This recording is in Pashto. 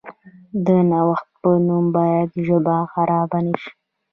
د نوښت په نوم باید ژبه خرابه نشي.